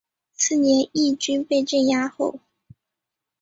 次年义军被镇压后。